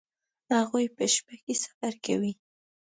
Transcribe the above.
هغوی په شپه کې سفر کوي